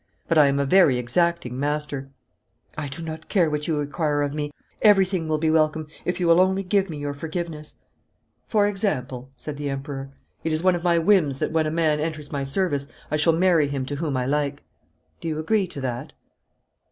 But I am a very exacting master.' 'I do not care what you require of me. Everything will be welcome, if you will only give me your forgiveness.' 'For example,' said the Emperor. 'It is one of my whims that when a man enters my service I shall marry him to whom I like. Do you agree to that?'